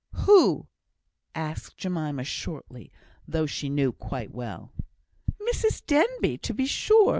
"Who?" asked Jemima, shortly, though she knew quite well. "Mrs Denbigh, to be sure.